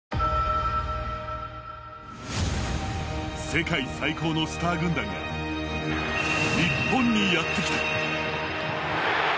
世界最高のスター軍団が日本にやって来た。